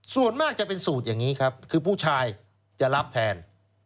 ส่วนมากจะเป็นสูตรอย่างนี้ครับคือผู้ชายจะรับแทน